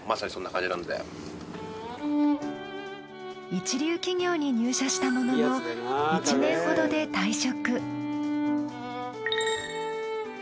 一流企業に入社したものの１年ほどで退職。